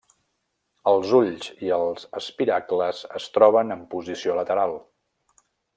Els ulls i els espiracles es troben en posició lateral.